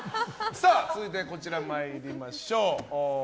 続いてこちらに参りましょう。